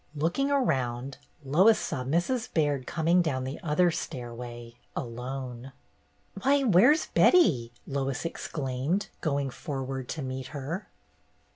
Looking around, Lois saw Mrs. Baird coming down the other stairway, alone. "Why, where 's Betty?" Lois exclaimed, going forward to meet her.